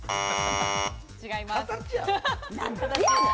違います。